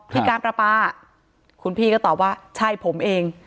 ที่การประปาคุณพี่ก็ตอบว่าใช่ผมเอง